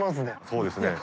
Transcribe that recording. そうですね。